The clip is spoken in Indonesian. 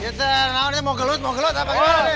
ya ternyata mau gelut mau gelut apa ini